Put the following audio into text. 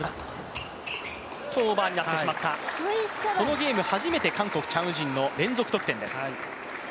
このゲーム初めてチャン・ウジンの連続得点です。